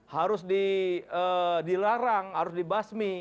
harus dilarang harus dibasmi